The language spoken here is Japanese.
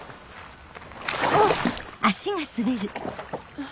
あっ！